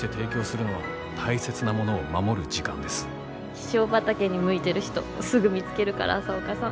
気象畑に向いてる人すぐ見つけるから朝岡さん。